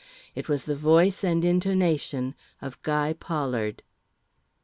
It was the voice and intonation of Guy Pollard.